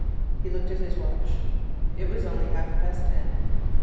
He looked at his watch. It was only half past ten.